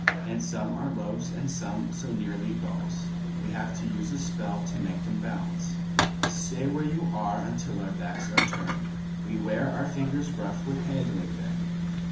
And some are loaves and some so nearly ballsWe have to use a spell to make them balance:"Stay where you are until our backs are turned!"We wear our fingers rough with handling them.